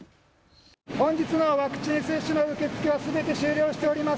本日のワクチン接種の受け付けはすべて終了しております。